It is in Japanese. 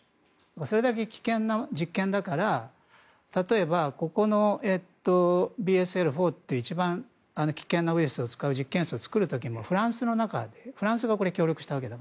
それだけ危険な実験だから例えばＢＳＬ４という一番危険なウイルスを使う実験室を作る時もフランスが協力したんです。